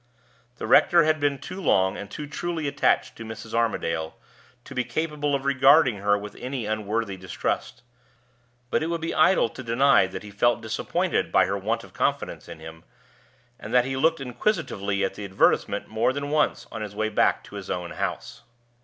The rector had been too long and too truly attached to Mrs. Armadale to be capable of regarding her with any unworthy distrust. But it would be idle to deny that he felt disappointed by her want of confidence in him, and that he looked inquisitively at the advertisement more than once on his way back to his own house.